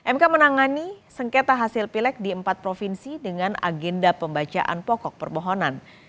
mk menangani sengketa hasil pilek di empat provinsi dengan agenda pembacaan pokok permohonan